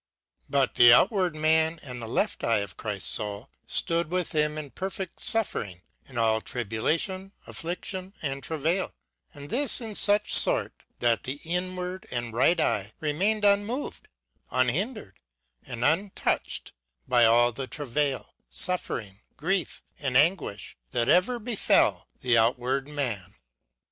But the outward man and the left eye of Chrift's foul, ftood with him in perfed: fuffering, in all tribulation, afflidlion and travail ; and this in fuch fort that the inward and right eye remained unmoved, unhin dered and untouched by all the travail, fuffering, grief and anguifh that ever befell the outward man.